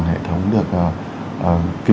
hệ thống được